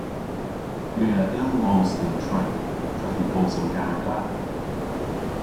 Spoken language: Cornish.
My a yll mos dhe'n treth drefen bos an gewer da.